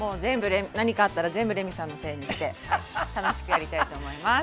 何かあったら全部レミさんのせいにして楽しくやりたいと思います。